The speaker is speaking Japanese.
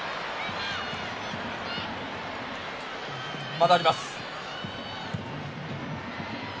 まだあります。